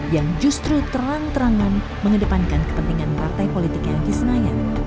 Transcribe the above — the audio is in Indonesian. yang justru terang terangan mengedepankan kepentingan partai politiknya di senayan